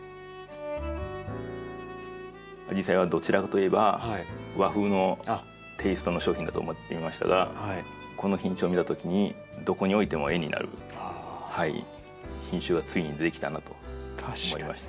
アジサイはどちらかといえば和風のテイストの商品だと思っていましたがこの品種を見たときにどこに置いても絵になる品種がついに出来たなと思いました。